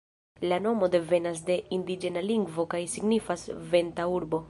La nomo devenas de indiĝena lingvo kaj signifas ""venta urbo"".